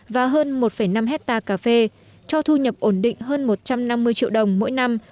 và hơn một năm hectare cà phê cho thu nhập ổn định hơn một trăm năm mươi triệu đồng mỗi năm